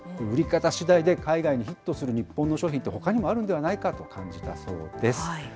売り方しだいで、海外にヒットする日本の商品ってほかにもあるんではないかと感じたそうです。